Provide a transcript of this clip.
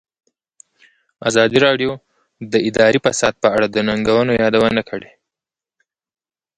ازادي راډیو د اداري فساد په اړه د ننګونو یادونه کړې.